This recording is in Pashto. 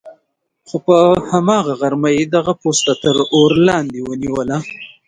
خو په هماغه غرمه یې دغه پوسته تر اور لاندې ونه نیوله.